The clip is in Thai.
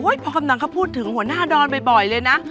พอกำลังเขาพูดถึงหัวหน้าดอนบ่อยเลยนะ